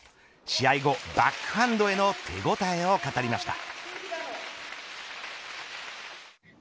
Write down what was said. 試合後、バックハンドへの手応えを語りました。